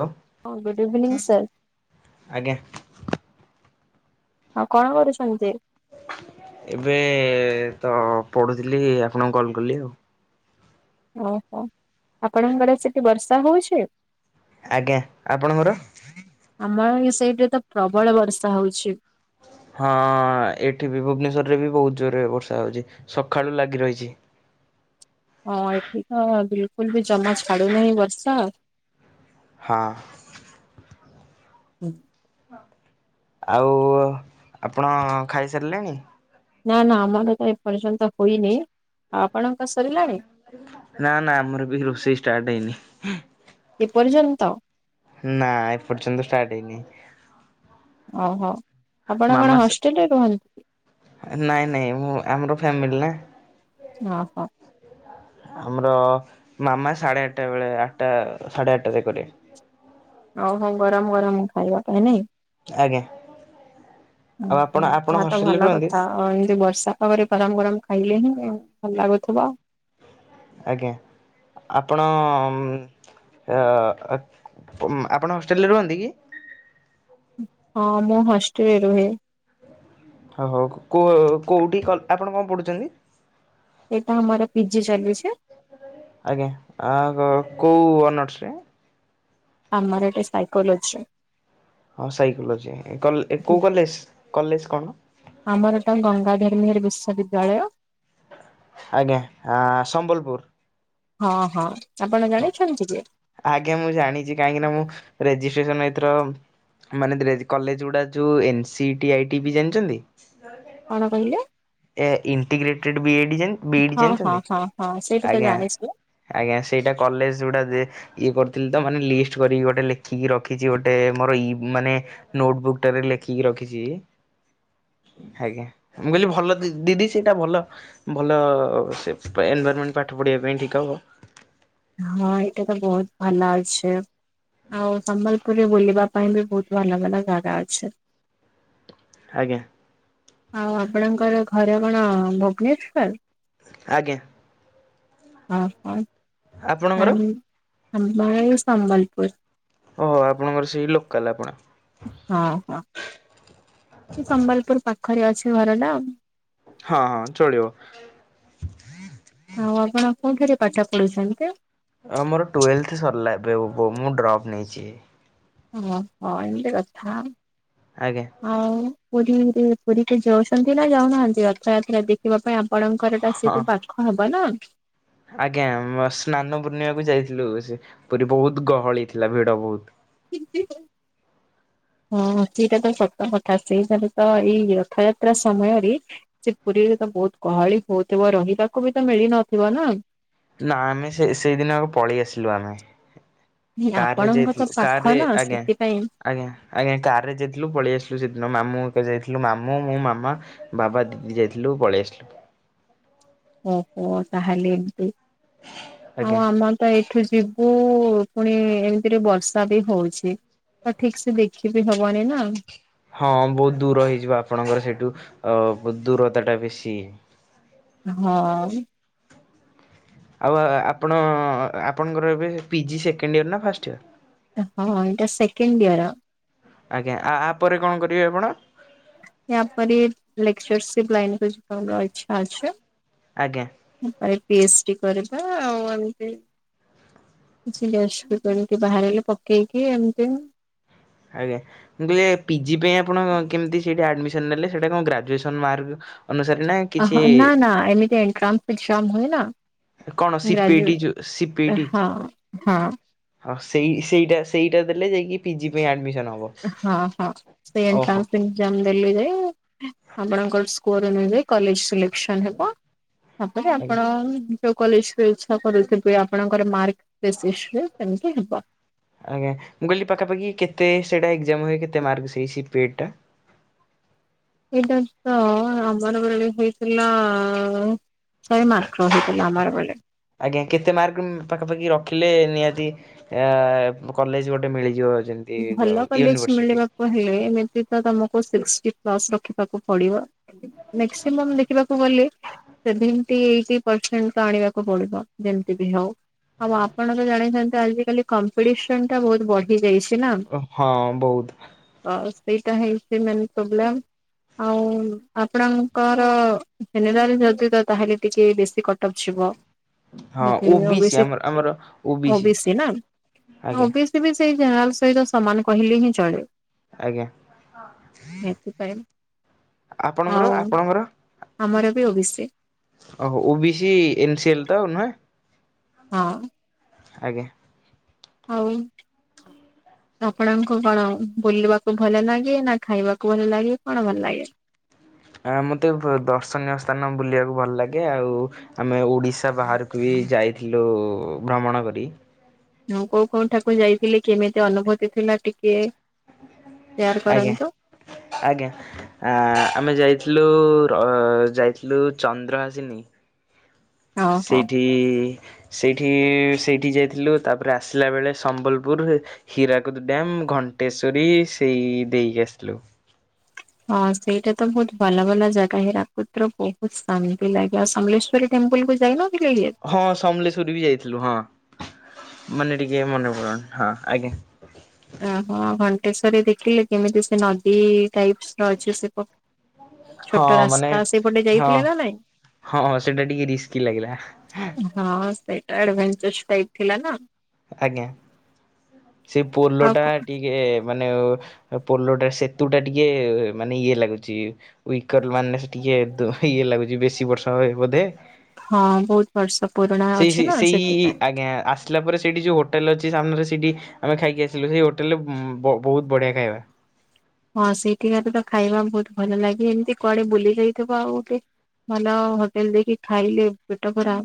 Hello ହଁ good evening sir. ଆଜ୍ଞା। ଆଉ କଣ କରୁଛନ୍ତି? ଏବେ ତ ପଢୁଥିଲି ଆପଣଙ୍କୁ କଲ୍ କଲି ଆଉ। ଓ ହୋ, ଆପଣଙ୍କର ସେଠି ବର୍ଷା ହଉଛି? ଆଜ୍ଞା, ଆପଣଙ୍କର? ଆମର ଏଇ ସାଇଟିରେ ତ ପ୍ରବଳ ବର୍ଷା ହେଉଛି ହଁ ଏଠି ବି ଭୁବନେଶ୍ୱରରେ ବି ବହୁତ ଜୋରରେ ବର୍ଷା ହେଉଛି ସକାଳୁ ଲାଗି ରହିଛି ହଁ ଏଠି ତ ବିଲୁକୁଲୁ ବି ଜମା ଛାଡୁନାହିଁ ବର୍ଷା ହଁ ହୁଁ ଆଉ ଆପଣ ଖାଇସାରିଲେଣି ନା ନା ଆମର ତ ଏପର୍ଯ୍ୟନ୍ତ ହୋଇନି ଆଉ ଆପଣଙ୍କ ସରିଲାଣି ନା ନା ଆମର ବି ରୋଷେଇ ଷ୍ଟାଟ୍ ହେଇନି ଏପରିର୍ଯ୍ୟନ୍ତ ନା ଏପର୍ଯ୍ୟନ୍ତ ଷ୍ଟାର୍ଟ ହେଇନି ଓହୋ ଆପଣ ମାମା କଣ ସେ ହଷ୍ଟେଲରେ ରୁହନ୍ତି ନାଇଁ ନାଇଁ ମୁଁ ଆମର ଫ୍ୟାମିଲି ନା ଓହୋ ଆମର ମାମା ସାଢ଼େ ଆଠଟା ବେଳେ ଆଠଟା ସାଢ଼େ ଆଠଟା କରେ ହଉ ହଉ ଗରମ ଗରମ ଖାଇବା ପାଇଁ ନାଇଁ ଆଜ୍ଞା ଓହୋ ଆଉ ଆପଣ ଆପଣ ତାହା ତ ହଷ୍ଟେଲରେ ଭଲ ରୁହନ୍ତି କଥା ଆଉ ଏମିତି ବର୍ଷା ତାପରେ ଗରମ ଗରମ ଖାଇଲେଣି ଭଲ ଲାଗୁଥିବ ଆଜ୍ଞା ଆପଣ ଆ ଅ ଉଁ ଆପଣ ହଷ୍ଟେଲରେ ରୁହନ୍ତି କି ହଁ ମୁଁ ହଷ୍ଟେଲରେ ରୁହେ ହଉ ହଉ କୋ କୋଉଠି ଆପଣ କଣ ପଢୁଛନ୍ତି ଏଇଟା ଆମର ପିଜି ଚାଲୁଛି ଆଜ୍ଞା ଆ କୋଉ ଅନର୍ସରେ ଆମର ଏଇଟା ସାଇକୋଲୋଜି ହଁ ସାଇକୋଲୋଜି କଲ ଏ କୋଉ କଲେଜ୍ କଲେଜ୍ କଣ ଆମର ଏଟା ଗଙ୍ଗାଧରମେହେର ବିଶ୍ୱବିଦ୍ୟାଳୟ ଆଜ୍ଞା ଆଁ ସମ୍ବଲପୁର ହଁ ହଁ ଆପଣ ଜାଣିଛନ୍ତି କି ଆଜ୍ଞା ମୁଁ ଜାଣିଛି କାହିଁକି ନା ମୁଁ ରେଜିଷ୍ଟ୍ରେସନ ଏଥର ମାନେ କଲେଜ୍ ଗୁଡ଼ା ଯୋଉ ଏନ୍ ସିଇଟି ଆଇଟିବି ଜାଣିଛନ୍ତି କଣ କହିଲେ ଏ ଇଣ୍ଟିଗ୍ରେଟେଡ୍ ବିଏଡି ଜାଣିଛନ୍ତି ହଁ ହଁ ହଁ ହଁ ସେଇଟା ତ ଆଜ୍ଞା ଜାଣିଛି ଆଜ୍ଞା ସେଇଟା କଲେଜ୍ ଯୋଉଟା ଯେ ଇଏ କରିଥିଲି ତ ମାନେ ଲିଷ୍ଟ କରିକି ଗୋଟେ ଲେଖିକି ରଖିଛି ଗୋଟେ ମୋର ଇ ମାନେ ନୋଟ୍ ବୁକ୍ ଟାରେ ଲେଖିକି ରଖିଛି ଆଜ୍ଞା ମୁଁ କହିଲି ଭଲ ଦିଦି ସେଇଟା ଭଲ ଭଲ ସେ ଏନଭାଇରମେଣ୍ଟ ପାଠ ପଢ଼ିବା ପାଇଁ ଠିକ୍ ହବ ହଁ ଏଇଟା ତ ବହୁତ ଭଲ ଅଛେ ଆଉ ସମ୍ବଲପୁରରେ ବୁଲିବା ପାଇଁ ବି ବହୁତ ଭଲ ଭଲ ଜାଗା ଅଛେ ଆଜ୍ଞା ଆଉ ଆପଣଙ୍କର ଘର କଣ ଭୁବନେଶ୍ଵର ଆଜ୍ଞା ଓହୋ ଆପଣଙ୍କର ନାଇଁ ଆମର ଏଇ ସମ୍ବଲପୁର ଓହୋ ଆପଣଙ୍କର ସେଇ ଲୋକାଲ୍ ଆପଣ ହଁ ହଁ ଏଇ ସମ୍ବଲପୁର ପାଖରେ ଅଛି ଘରଟା ଆଉ ହଁ ହଁ ଚଳିବ। ଆଉ ଆପଣ କୋଉଠାରେ ପାଠ ପଢୁଛନ୍ତି? ଆ ମୋର ଟୁଏଲଥ ସରିଲା ଏବେ [unintelligible] ମୁଁ ଡ୍ରପ୍ ନେଇଛି। ଓହୋ ଏମିତି କଥା। ଆଜ୍ଞା। ଆଉ ପୁରୀ ଉରି ପୁରୀ କେ ଯାଉଛନ୍ତି ନା ଯାଉନାହାନ୍ତି ରଥ ଯାତ୍ରା ଦେଖ ଯିବା ପାଇଁ ଆପଣଙ୍କ ଘର ଟା ହଁ ସେଠୁ ପାଖ ହବ ନା। ଆଜ୍ଞା ଉଁ ସ୍ନାନ ପୂର୍ଣ୍ଣିମାକୁ ଯାଇଥିଲୁ ସେ ପୁରୀ ବହୁତ ଗହଳି ଥିଲା ଭିଡ ବହୁତ। ଇପି ହଁ ସେଇଟା ତ ସତ କଥା ସେଇଠାରେ ତ ଏଇ ରଥଯାତ୍ରା ସମୟରେ ସେ ପୁରୀରେ ତ ବହୁତ ଗହଳି ହଉଥୁବ ରହିବାକୁ ବି ତ ମିଳି ନଥିବ ନା? ନା ଆମେ ସେ ସେଇଦିନ ଆଗ ପଳେଇ ଆସିଲୁ ଆମେ। କାର ରେ ଆପଣଙ୍କ ତ ଯାଇଥିଲୁ ପାଖ କାର ରେ ନା ଆଜ୍ଞା ସେଥିପାଇଁ ଆଜ୍ଞା ଆଜ୍ଞା କାର ରେ ଯାଇଥିଲୁ ପଳେଇ ଆସିଲୁ ସେଦିନ ମାମୁଁ ହେକା ଯାଇଥିଲୁ ମାମୁଁ ମୁଁ ମାମା। ବାବା ଦିଦି ଯାଇଥିଲୁ ପଳେଇ ଆସିଲୁ। ଓହୋ ତାହେଲେ ଏମତି ଆଉ ଆଜ୍ଞା ଆମର ତ ଏ ଠୁ ଯିବୁ ଫୁଣି ଏମିତିରେ ବର୍ଷା ବି ହଉଛି। ତ ଠିକ ସେ ଦେଖିବି ହବନି ନା। ହଁ ବହୁତ ଦୂର ହେଇଯିବ ଆପଣଙ୍କର ସେଠୁ ଅ ଦୂରତା ଟା ବେଶୀ। ହଁ। ଆଉ ଆ ଆପଣ ଆପଣଙ୍କର ଏବେ ପି ଜି ସେକେଣ୍ଡ ଇୟର ନା ଫାଷ୍ଟ ଇୟର? ହଁ ଏଇଟା ସେକେଣ୍ଡ ଇୟର। ଆଜ୍ଞା ଆ ଆପରେ କଣ କରିବେ ଆପଣ? ୟାପରେ ଲେକ୍ଚରସିପ ଲାଇନକୁ [inaudible] ର ଇଚ୍ଛା ଅଛି। ଆଜ୍ଞା। [unintelligible] ପି ଏଚ ଡି କରିବା ଆଉ ଏମତି। କିଛି [unintelligible] କରିକି ବାହାରିଲେ ପକେଇକି ଏମିତି ଆଜ୍ଞା। ମୁଁ କହିଲେ ପି ଜି ପାଇଁ ଆପଣ କେମିତି ସେଠେ ଆଡ଼ମିସନ ନେଲେ ସେଠେ କଣ ଗ୍ରାଜୁଏସନ ମାର୍କ ଅନୁସାରେ ନା ଅ ନା କିଛି ନା ଏମିତି ଏଣ୍ଟ୍ରାସ [unintelligible] ହୁଏ ନା। କଣ ସିପିଇଟି ଯୋଉ ଗ୍ରାଜୁଏଟ ସିପିଇଟି ହଁ ହଁ। ହଁ ସେଇ ସେଇଟା ସେଇଟା ଦେଲେ ଯାଇକି ପି ଜି ପାଇଁ ଆଡ଼ମିସନ ହବ। ହଁ ହଁ ସେ ଓହୋ ଏଣ୍ଟ୍ରାନ୍ସ ଏକ୍ସଜାମ ଦେଲେ ଯାଇ ଆପଣଙ୍କର ସ୍କୋର ନେବେ କଲେଜ ସିଲେକ୍ସନ ହେବ ତାପରେ ଆଜ୍ଞା। ଆପଣ ଯଉ କଲେଜରେ ଇଚ୍ଛା କରୁଥିବେ ଆପଣଙ୍କର ମାର୍କ ବେସିସରେ ସେମତି ହେବ। ଆଜ୍ଞା ମୁଁ କହିଲି ପାଖପାଖି କେତେ ସେଇଟା ଏକ୍ଜାମ ହୁଏ କେତେ ମାର୍କସ ହେଇ ସିପିଏଡ଼ ଟା? ସେଇଟା ତ ଅମର ବେଳେ ହେଇଥିଲା ଶହେ ମାର୍କ ର ହେଇଥିଲା ଆମର ବେଲେ। ଆଜ୍ଞା କେତେ ମାର୍କ ଉଂ ପାଖାପାଖି ରଖିଲେ ନିହାତି ଏଆ କଲେଜ ଗୋଟେ ମିଳିଯିବ [unintelligible] ଭଲ କଲେଜ ୟୁନିଭର୍ସିଟି। ମିଳିବା କହେଲେ ଏମିତି ତ ତମକୁ ସିକ୍ସଟି ପ୍ଲସ ରଖିବାକୁ ପଡିବ। ମକ୍ସିମମ୍ ଦେଖିବାକୁ ଗଲେ ସେଭେଣ୍ଟି ଏଇଟି ପରସେଣ୍ଟ ତ ଆଣିବାକୁ ପଡିବ ଯେମିତି ବି ହଉ। ଆଉ ଆପଣ ତ ଜାଣିଛନ୍ତି ଆଜିିକାଲି କମ୍ପିଟିସନ ଟା ବହୁତ ବଢିଯାଇଛି ନା। ହଁ ବହୁତ। ୱାଉ ସେଇଟା ହେଇଛି ମେନ ପ୍ରବ୍ଲେମ। ଆଉ ଆପଣଙ୍କର ଜେନେଲାର ଯଦି ତ ତାହେଲେ ଟିକେ ବେଶୀ କ ଟପ ଯିବ। ହଁ ଓ ବି ଓବିସି ସି, ଆମର ଆମର ଓ ଓବିସି ବି ସି ନାଁ ଆଜ୍ଞା ଓ ବି ସେ ବି ସେଇ ଜେନେରାଲ ସହିତ ସମାନ କହିଲେ ହିଁ ଚଳେ। ଆଜ୍ଞା। ହେତି ପାଇଁ ଆପଣଙ୍କର ଆପଣଙ୍କର ଆମର ବି O B C. ଓୋହ O B C N C L ତ ନାଁ। ହଁ। ଆଜ୍ଞା। ହଉ। ଆପଣଙ୍କୁ କଣ ବୁଲିବାକୁ ଭଲ ଲାଗେ ନା ଖାଇବାକୁ ଭଲ ଲାଗେ କଣ ଭଲ ଲାଗେ? ଆ ମୋତେ ବ ଦର୍ଶନୀୟ ସ୍ଥାନ ବୁଲିବାକୁ ଭଲ ଲାଗେ ଆଉ। ଆମେ ଓଡ଼ିଶା ବାହାରକୁ ବି ଯାଇଥିଲୁ ଭ୍ରମଣ କରି। ମୁଁ କୋଉ କୋଉଠାକୁ ଯାଇଥିଲି କେମିତି ଅନୁଭୂତି ଥିଲା ଟିକେ ସେୟାର ଆଜ୍ଞା କରନ୍ତୁ। ଆଜ୍ଞା। ଆ ଆମେ ଯାଇଥିଲୁ ର ଯାଇଥିଲୁ ଚନ୍ଦ୍ରହାସିନୀ। ଓହୋ ସେଇଠି ସେଇଠି ସେଇଠି ଯାଇଥିଲୁ ତାପରେ ଆସିଲା ବେଳେ ସମ୍ବଲପୁରରେ ହୀରାକୁଦ ଡ୍ୟାମ ଘଣ୍ଟେଶ୍ଵରୀ ସେଇ ଦେଇକି ଆସିଲୁ। ହଁ ସେଇଟା ତ ବହୁତ ଭଲ ଭଲ ଜାଗା ହୀରାକୁଦରେ ବହୁତ ଶାନ୍ତି ଲାଗେ ଆଉ ସମଲେଶ୍ୱରୀ ଟେମ୍ପଲକୁ ଯାଇନ। ହଁ ସମଲେଶ୍ଵରୀ ବି ଯାଇଥିଲୁ ହଁ ମାନେ ଟିକେ ମନେ ପ [unintelligible] ହଁ ଆଜ୍ଞା। ଓହୋ ଘଣ୍ଟେଶ୍ଵରୀ ଦେଖିଲେ କେମିତି ସେ ନଦୀ ଟାଇପସ ର ଅଛି ସେ ହଁ ଛୋଟ ମାନେ ରାସ୍ତା ସେପଟେ ହଁ ଯାଇଥିଲେ ନା ନାଇଁ। ହଁ ସେଇଟା ଟିକେ ରିସ୍କି ଲାଗିଲା। ହଁ ସେଇଟା ଆଡଭେଞ୍ଚରସ୍ ଟାଇପ୍ ଥିଲା ନା। ଆଜ୍ଞା ସେ ପୋଲ ଟା ଆଉ ଟିକେ ମାନେ ପୋଲଟା ସେତୁ ଟା ଟିକେ ମାନେ ଇଏ ଲାଗୁଛି। [unintelligible] ମାନେ ଟିକେ ଦ ଇଏ ଲାଗୁଛି ବେଶୀ ବର୍ଷ ବୋଧେ। ହଁ ବହୁତ ବର୍ଷ ପୁରୁଣା। ସେଇ ଅଛି ସେଇ ନା ସେଇ ସେଥିପାଇଁ। ଆଜ୍ଞା ଆସ ଆସିଲା ପରେ ସେଇଠି ଯେଉଁ ହୋଟେଲ୍ ଅଛି ସାମ୍ନାରେ ସେଇଠି ଆମେ ଖାଇକି ଆସିଲୁ ସେଇ ହୋଟେଲରେ ବଅ ବହୁତ ବଢ଼ିଆ ଖାଇବା। ହଁ ସେଇଠିକାର ତ ଖାଇବା ବହୁତ ଭଲ ଲାଗେ ଏମିତି କୁଆଡେ ବୁଲି ଯାଇଥିବ ଆଉ ଗୋଟେ ଭଲ ହୋଟେଲ ଦେଇକି ଖାଇଲେ ପେଟ ପୁରା,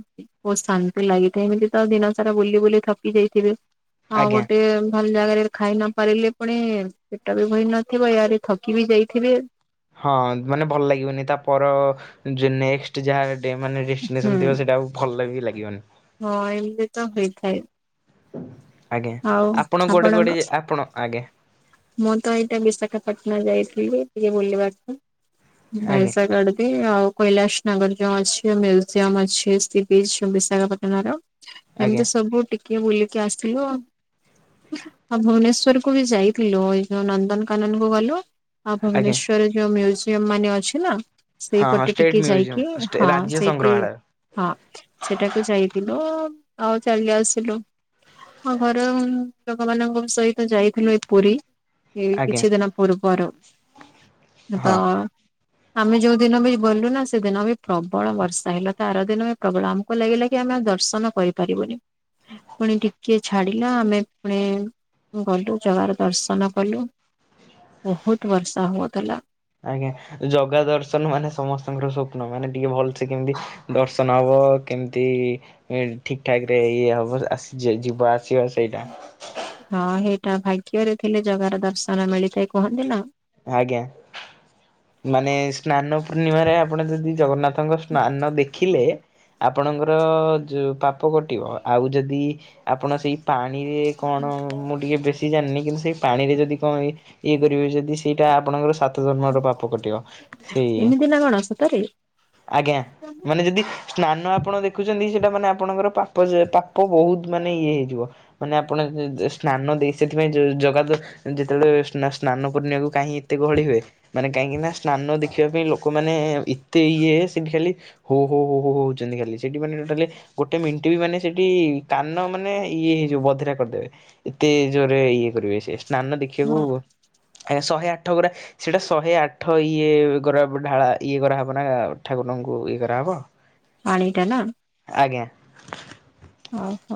ବହୁତ ଶାନ୍ତି ଲାଗିଥାଏ ଏମିତି ତ ଦିନ ସାରା ବୁଲି ବୁଲି ଥକି ଯାଇଥିବେ। ଆଉ ଆଜ୍ଞା। ଗୋଟେ ଭଲ ଜାଗାରେ ଖାଇ ନ ପାରିଲେ ପୁଣି ସେଟାବି [unintelligible] ନ ଥିବ ୟାରେ ଥକି ବି ଯାଇଥିବେ। ହଁ ମାନେ ଭଲ ଲାଗିବନି ତା ପର ଯୋ ନେକ୍ସଟ ଯାହା। ଡେ ମାନେ ହୁଁ ରେଷ୍ଟିନେସନ ଥିବ ସେଇଟା ଆଉ ଭଲ ବି ଲାଗିବନି। ହଁ ଏମିତି ତ ହୋଇଥାଏ। ଆଜ୍ଞା ଆଉ ଆପଣ କୁଆଡ଼େ ଆପଣଙ୍କ କୁଆଡ଼େ ଆପଣ ଆଜ୍ଞା ମୁଁ ତ ଏଇଟା ବିଶାଖାପାଟଣା ଯାଇଥିଲି ଟିକେ ବୁଲିବାକୁ। [unintelligible] ଆଜ୍ଞା ଜାଗା ଟେ ତ ଆଉ କୈଳାସ ନଗର ଯୋ ଅଛି ମ୍ୟୁଜିୟମ ଅଛି ସେ ବିଶ ବିଶାଖାପାଟଣା ର ଆଜ୍ଞା ଏମିତି ସବୁ ଟିକେ ବୁଲିକି ଆସିଲୁ ଆଉ। ଆଉ ଭୁବନେଶ୍ଵର କୁ ବି ଯାଇ ଥିଲୁ ଏଇ ଯୋଉ ନନ୍ଦନକାନନ କୁ ଗଲୁ ଆଉ ଆଜ୍ଞା। ଭୁବନେଶ୍ଵର ଯୋଉ ମ୍ୟୁଜ ମାନ ଅଛି ନା ହଁ ହଁ ସେଇପଟେ ଷ୍ଟେଟ୍ ଟିକେ ମ୍ୟୁଜିୟମ୍ ଯାଇକି ହଁ ରାଜ୍ୟ ସେଇଠି ସଂଗ୍ରହାଳୟ ହଁ ସେଠା କୁ ଯାଇଥିଲୁ ଆଉ ଚାଲି ଆସିଲୁ। ଆ ଘର ଲୋକମାନଙ୍କ ସହିତ ଯାଇଥିଲି ପୁରୀ ଏଇ ଆଜ୍ଞା କିଛି ଦିନ ପୂର୍ବର ତ ହଁ। ଆମେ ଯୋଉ ଦିନ ବି ଗଲୁ ନା ସେଦିନ ବି ପ୍ରବଳ ବର୍ଷା ହେଲା ତା ଆର ଦିନ ପ୍ରବଳ ଆମ କୁ ଲାଗିଲା କି ଆମେ ଆଉ ଦର୍ଶନ କରିପାରିବୁନି। ପୁଣି ଟିକେ ଛାଡିଲା ଆମେ ପୁଣି ଗଲୁ ଜଗାର ଦର୍ଶନ କଲୁ ବହୁତ ବର୍ଷା ହଉଥିଲା। ଆଜ୍ଞା ଜଗା ଦର୍ଶନ ମାନେ ସମସ୍ତଙ୍କର ସ୍ୱପ୍ନ ମାନେ ଟିକେ ଭଲସେ କେମିତି ଦର୍ଶନ ହବ କେମିତି ଇଏ ଠିକ୍ ଠାକ ରେ ଇଏ ହବ ଆସ [unintelligible] ଯିବା ଆସିବା ସେଇଟା। ହଁ ହେଇଟା ଭାଗ୍ୟରେ ଥିଲେ ଜଗାର ଦର୍ଶନ ମିଳିଥାଏ କୁହନ୍ତି ନା। ଆଜ୍ଞା ମାନେ ସ୍ନାନ ପୂର୍ଣ୍ଣିମାରେ ଆପଣ ଯଦି ଜଗନ୍ନାଥ ଙ୍କ ସ୍ନାନ ଦେଖିଲେ ଆପଣଙ୍କର ଯେ ପାପ କଟିବ। ଆଉ ଯଦି ଆପଣ ସେଇ ପାଣିରେ କଣ ମୁଁ ଟିକିଏ ବେଶୀ ଜାଣିନି କିନ୍ତୁ ସେ ପାଣିରେ ଯଦି କଣ ଇଏ କରିବେ ଯଦି ସେଇଟା ଆପଣଙ୍କର ସାତ ଜନ୍ମର ପାପ କଟିବ। ସେଇ ଏମିତି ନା କଣ ସତରେ ଆଜ୍ଞା ମାନେ ଯଦି ସ୍ନାନ ଆପଣ ଦେଖୁଛନ୍ତି ସେଇଟା ମାନେ ଆପଣଙ୍କର ପାପ ଯେ ପାପ ବହୁତ ମାନେ ଇଏ ହେଇଯିବ। ମାନେ ଆପଣ [unintelligible] ସ୍ନାନ ଦେଇ ସେଥିପାଇଁ ଜ ଜଗା ତ ଯେତେବେଳେ ସ୍ନ ସ୍ନାନ ପୂର୍ଣ୍ଣିମା କୁ କାହିଁ ଏତେ ଗହଳି ହୁଏ, ମାନେ କାହିଁକି ନା ସ୍ନାନ ଦେଖିବା ପାଇଁ ଲୋକମାନେ ଏତେ ଇଏ ସେଠି ଖାଲି ହୋ-ହୋ-ହୋ-ହୋ ହଉଛନ୍ତି ଖାଲି ସେଠି ମାନେ ଟୋଟାଲି ଗୋଟେ ମିନଟ ବି ମାନେ ସେଠି କାନ ମାନେ ଇଏ ହେଇଯିବ ବଧିରା କରିଦେବେ। ଏତେ ଜୋରରେ ଇଏ କରିବେ ସେ ସ୍ନାନ ଦେଖିବାକୁ ହଁ ଉ ଶହେ ଆଠ ଗରା ସେଇଟା ଶହେ ଆଠ ଇଏ ଗରା ଢାଳା ଇଏ ଗରା ହବନା ନା ଠାକୁରଙ୍କୁ ଇଏ ଗରା ହବ। ପାଣିଟା ନା ଆଜ୍ଞା ଓହୋ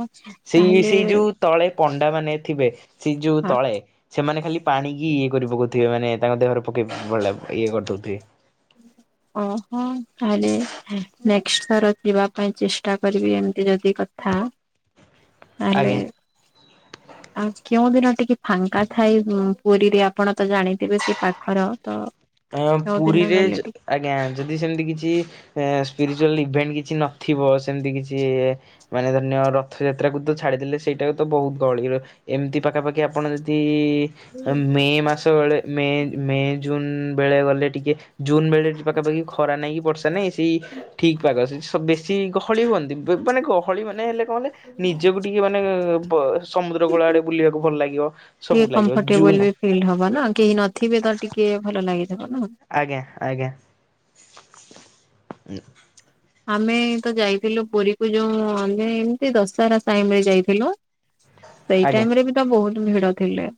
ସେଇ ତାହେଲେ ସେଇ ଯୋଉ ତଳେ ପଣ୍ଡା ମାନେ ଥିବେ ସେ ଯୋଉ ତଳେ ସେମାନେ ଖାଲି ପାଣିିକି ବୁଧିକ ମାନେ ତାଙ୍କ ଦେହରେ ପକେଇ ଭଲ ଲାଗୁ ଇଏ କରିଦଉଥିବେ। ଓ ହୋ ତାହଲେ ନେକ୍ସଟ ଥର ଯିବା ପାଇଁ ଚେଷ୍ଟା କରିବି ଏମତି ଯଦି କଥା। ତାହେଲେ ଆଜ୍ଞା ଆଉ କେଉଁ ଦିନ ଟିକେ ଫାଙ୍କା ଥାଏ ଉଁ ପୁରୀରେ? ଆପଣ ତ ଜାଣିଥିବେ ସେ ପାଖର ତ ଆଁ କେଉଁ ଦିନ ପୁରୀରେ ଗଲେ ଟିକେ ଆଜ୍ଞା ଯଦି ସେମିତି କିଛି ଏ ସ୍ପିରିଚୁଆଲ୍ ଇଭେଣ୍ଟ କିଛି ନଥିବ ସେମିତି କିଛି ମାନେ ଧରିନିଅ ରଥଯାତ୍ରା କୁ ତ ଛାଡିଦେଲେ ସେଇଟାକୁ ତ ବହୁତ ଗହଳି ଏମିତି ପାଖାପାଖି ଆପଣ ଯଦି ମେ ମାସ ବେଳେ ମେ ମେ ଜୁନ ବେଳେ ଗଲେ ଟିକେ ଜୁନ ବେଳେ [unintelligible] ପାଖପାଖି ଖରା ନାହିଁ କି ବର୍ଷ୍ ଷା ନାଇଁ ସେଇ ଠିକ୍ ପାଗ ସେ ବେଶି ଗହଳି ହୁଅନ୍ତି ବା ମାନେ ଗହଳିମାନେ ହେଲେ କଣ ହେଲେ ନିଜକୁ ଟିକେ ମାନେ ବ ସମୁଦ୍ର କୂଳ ଆଡେ ବୁଲିବାକୁ ଭଲ ଲାଗିବ ଟିକେ ସବୁ ଲାଗିବ କମ୍ଫର୍ଟେବଲ ଜୁନୁ ବି ଫିଲ୍ ହବ ନା କେହି ନଥିବେ ତ ଟିକେ ଭଲ ଲାଗିଥିବ ନା। ଆଜ୍ଞା- ଆଜ୍ଞା। ଆମେ ତ ଯାଇଥିଲୁ ପୁରୀ କୁ ଯଉ ଆମେ ଏମତି ଦଶହରା ଟାଇମ୍ ରେ ଯାଇଥିଲୁ ସେଇ ଆଜ୍ଞା। ଟାଇମ୍ ରେ ବି ତ ବହୁତ୍ ଭିଡ ଥିଲେ।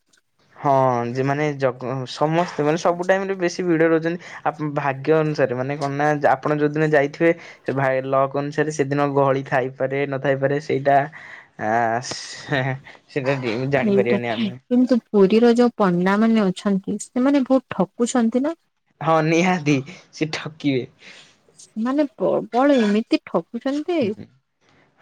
ହଁ ଯେ ମାନେ ଜଗ- ସମସ୍ତେ ମାନେ ସବୁ ଟାଇମ୍ ରେ ବେଶୀ ଭିଡ ରହୁଚନ୍ତି ଆପ- ଭାଗ୍ୟ ଅନୁସାରେ ମାନେ କଣ ନା ଯା- ଆପଣ ଯଉଦିନ ଯାଇଥିବେ ସେ ଭାଇ ଲକ୍ ଅନୁସାରେ ସେଦିନ ଗହଳି ଥାଇପାରେ ନଥାଇପାରେ ସେଇଟା ଆସ୍- ହେଁ -ହେଁ। [unintelligible] ଏଇଟା କିନ୍ତୁ ପୁରୀର ଯଉ ପଣ୍ଡାମାନେ ଅଛନ୍ତି ସେମାନେ ବହୁତ୍ ଠକୁଚନ୍ତି ନା? ହଁ ନିହାତି ସେ ଠକିବେ। ମାନେ ପ୍ର ବଳ ଏମିତି ଠକ୍ ହୁଁ -ହୁଁ-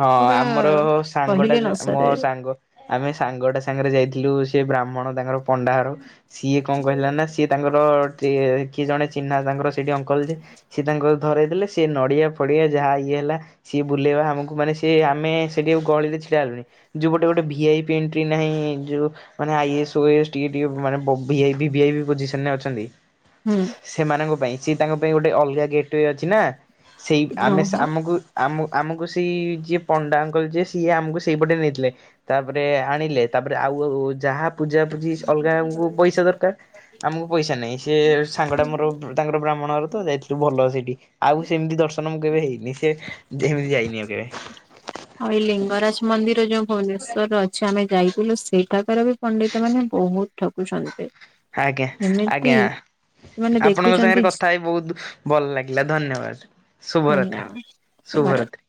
ହଁ ଆମର ସାଙ୍ଗ ଟା କହିଲେ ନ ଯା-ମ ସରେ ସାଙ୍ଗ ଆମେ ସାଙ୍ଗଟା ସାଙ୍ଗେରେ ଯାଇଥିଲୁ ସେ ବ୍ରାହ୍ମଣ ତାଙ୍କର ପଣ୍ଡାଘର ସିଏ କଣ କହିଲା ନା ସିଏ ତାଙ୍କର ଟିକେ କିଏ ଜଣେ ଚିହ୍ନା ତାଙ୍କର ସେଠି ଅଙ୍କଲ୍ ଯେ ସିଏ ତାଙ୍କ ଧରେଇ ଦେଲେ ସିଏ ନଡ଼ିଆ ଫଡିଆ ଯାହା ଇଏ ହେଲା ସିଏ ବୁଲେଇବା ଆମକୁ ମାନେ ସିଏ ଆମେ ସେଠି ଆଉ ଗହଳିରେ ଛିଡ଼ା ହେଲୁନି ଯଉ ଗୋଟେ ଗୋଟେ ଭିଆଇପି ଏଣ୍ଟ୍ରି ନାହିଁ ଯଉ ମାନେ ଆଇ ଏ ଏସ୍, ଓଏଏସ୍, ଟିଏ [unintelligible] ମାନେ ବ-ଭିଆଇ- ଭିଆଇପି ପୋଜିସନ୍ ରେ ଅଛନ୍ତି। ହୁଁ। ସେମାନଙ୍କ ପାଇଁ ସିଏ ତାଙ୍କ ପାଇଁ ଗୋଟେ ଅଲଗା ଗେଟେ ଅଛି ନା ସେଇ ଆମେ- ଓହୋ। ଆମକୁ ଆମୁ- ଆମକୁ ସେଇ ଯିଏ ପଣ୍ଡା ଅଙ୍କଲ୍ ଯିଏ ସିଏ ଆମକୁ ସେଇପଟେ ନେଇଥିଲେ। ତାପରେ ଆଣିଲେ ତାପରେ ଆଉ ଯାହା ପୂଜା ପୂଜିି ଅଲଗାଙ୍କୁ ପଇସା ଦରକାର୍ ଆମକୁ ପଇସା ନାହିଁ ସେ ସାଙ୍ଗଟା ମୋର ତାଙ୍କର ବ୍ରାହ୍ମଣ ଘର ତ ଯାଇଥିଲୁ ଭଲ ସେଇଠି ଆଉ ସେମିତି ଦର୍ଶନ ମୁଁ କେବେ ହେଇନି ସେ ହେମିତି ଯାଇନି ଆଉ କେବେ। ଆଉ ଏଇ ଲିଙ୍ଗରାଜ୍ ମନ୍ଦିର ଯଉ ଭୁବନେଶ୍ଵର ରେ ଅଛି ଆମେ ଯାଇଥିଲୁ ସେଇଟା ଏରାବି ପଣ୍ଡିତ୍ ମାନେ ବହୁତ୍ ଠକୁଚନ୍ତି। ଆଜ୍ଞା -ଆଜ୍ଞା। ମାନେ ଆପଣଙ୍କ ଦେଖୁଛନ୍ତି ସାଙ୍ଗେରେ କଥା ହେଇ ବହୁତ୍ ଭଲ ଲାଗିଲା ଧନ୍ୟବାଦ୍ ଶୁଭରାତ୍ରି। ହେଲା, ଶୁଭରାତ୍ରି।